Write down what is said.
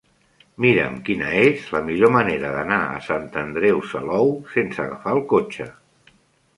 Mira'm quina és la millor manera d'anar a Sant Andreu Salou sense agafar el cotxe.